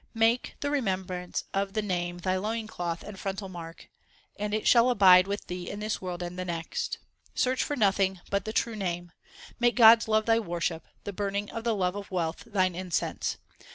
Make the remembrance of the Name thy loin cloth and frontal mark, And it shall abide with thee in this world and the next. Search for nothing but the true Name ; Make God s love thy worship, the burning of the love of wealth thine incense.